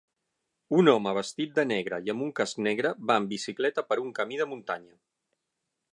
Un home vestit de negre i amb un casc negre va en bicicleta per un camí de muntanya.